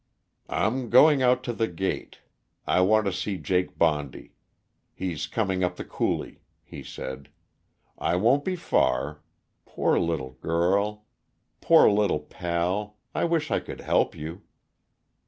"I'm going out to the gate I want to see Jake Bondy. He's coming up the coulee," he said. "I won't be far. Poor little girl poor little pal, I wish I could help you."